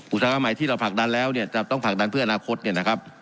อุตสาหกรรมใหม่ที่เราผลักดันแล้วเนี่ยจะต้องผลักดันเพื่ออนาคตเนี่ยนะครับ